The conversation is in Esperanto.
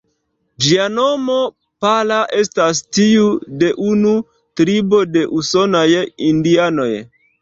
Ĝia nomo ""Pala"", estas tiu de unu tribo de usonaj indianoj.